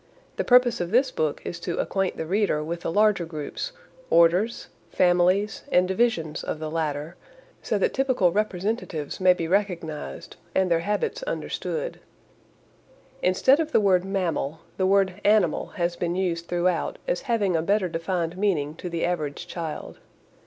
The purpose of this book is to acquaint the reader with the larger groups orders, families, and divisions of the latter, so that typical representatives may be recognized and their habits understood. Instead of the word mammal, the word animal has been used throughout as having a better defined meaning to the average child.